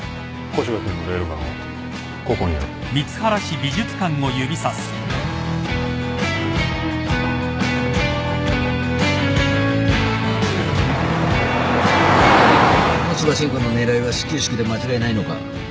古芝伸吾の狙いは始球式で間違いないのか？